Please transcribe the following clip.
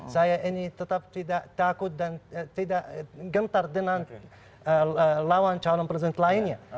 saya ini tetap tidak takut dan tidak gentar dengan lawan calon presiden lainnya